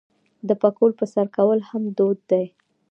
د پکول په سر کول هم دود دی.